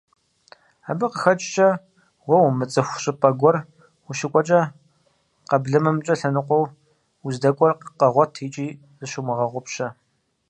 Абы къыхэкӀкӀэ уэ умыцӀыху щӀыпӀэ гуэр ущыкӀуэкӀэ къэблэмэмкӀэ лъэныкъуэ уздэкӀуэр къэгъуэт икӀи зыщумыгъэгъупщэ.